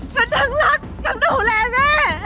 ทั้งรักทั้งดูแลแม่